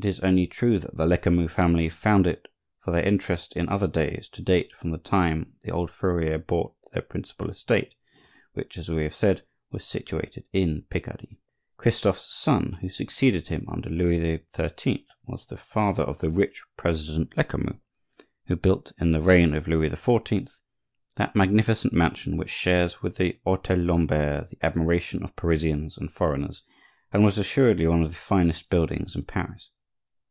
It is only true that the Lecamus family found it for their interest in after days to date from the time the old furrier bought their principal estate, which, as we have said, was situated in Picardy. Christophe's son, who succeeded him under Louis XIII., was the father of the rich president Lecamus who built, in the reign of Louis XIV., that magnificent mansion which shares with the hotel Lambert the admiration of Parisians and foreigners, and was assuredly one of the finest buildings in Paris.